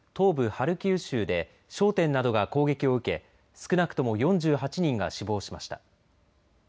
ハルキウ州で商店などが攻撃を受け少なくとも４８人が死亡しました。